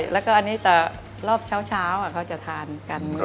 แล้วก็อันนี้จะรอบเช้าเขาจะทานกัน